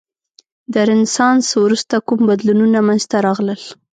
د رنسانس وروسته کوم بدلونونه منځته راغلل؟